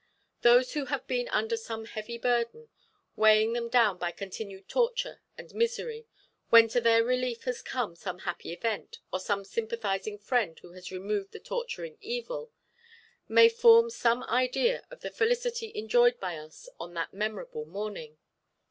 Those who have been under some heavy burden, weighing them down by continued torture and misery, when to their relief has come some happy event, or some sympathising friend who has removed the torturing evil, may form some idea of the felicity enjoyed by us on that memorable morning.